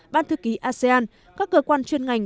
ban thư ký asean các cơ quan chuyên ngành